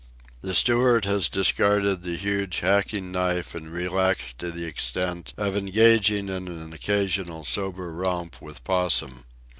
The steward has discarded the huge, hacking knife and relaxed to the extent of engaging in an occasional sober romp with Possum.